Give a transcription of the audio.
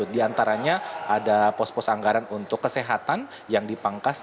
di antaranya ada pos pos anggaran untuk kesehatan yang dipangkas